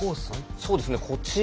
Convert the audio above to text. そうですね、こちら。